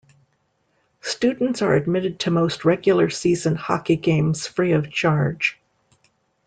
Students are admitted to most regular season hockey games free of charge.